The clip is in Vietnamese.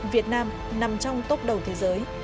việt nam nằm trong tốc đầu thế giới